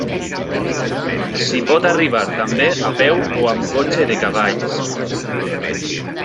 S'hi pot arribar també a peu o amb cotxe de cavalls.